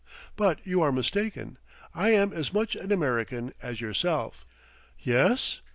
"But you are mistaken; I am as much an American as yourself." "Yes?"